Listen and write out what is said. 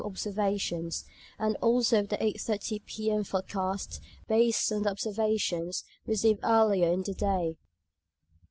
observations; and also of the 8.30 P.M. forecasts based on the observations received earlier in the day.